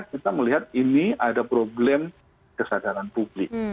kita melihat ini ada problem kesadaran publik